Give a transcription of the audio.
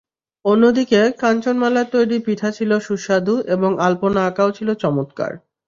অন্যদিকে, কাঞ্চনমালার তৈরি পিঠা ছিল সুস্বাদু এবং আলপনা আঁকাও ছিল চমৎকার।